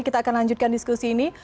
kita akan lanjutkan diskusi ini